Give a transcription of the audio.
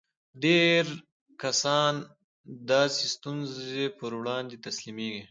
ډېر کسان د داسې ستونزو پر وړاندې تسليمېږي.